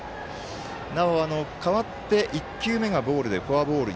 代わって１球目がボールでフォアボール。